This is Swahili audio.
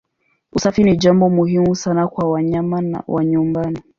Usafi ni jambo muhimu sana kwa wanyama wa nyumbani.